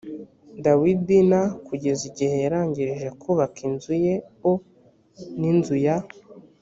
dawidi n kugeza igihe yarangirije kubaka inzu ye o n inzu ya